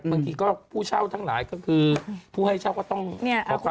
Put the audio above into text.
บางทีก็ผู้เช่าทั้งหลายก็คือผู้ให้เช่าก็ต้องขอความเองใจนะครับ